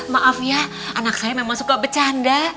maaf ya anak saya memang suka bercanda